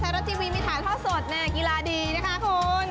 ไทยรัฐทีวีมีถ่ายท่าสดเนี่ยกีฬาดีนะครับคุณ